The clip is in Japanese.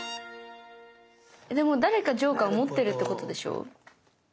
でも誰かジョーカーを持ってるってことでしょ？